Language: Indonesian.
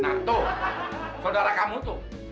nah tuh saudara kamu tuh